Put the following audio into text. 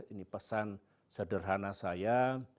ini pesan sederhana saya